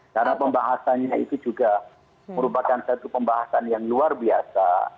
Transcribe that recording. karena pembahasannya itu juga merupakan satu pembahasan yang luar biasa